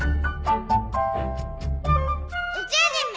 宇宙人め！